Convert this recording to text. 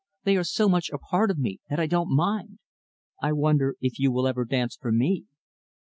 They are so much a part of me that I don't mind." "I wonder if you will ever dance for me?"